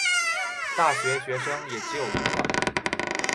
大学学生也只有一票